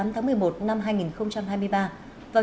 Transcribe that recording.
một mươi tháng một mươi một năm hai nghìn hai mươi ba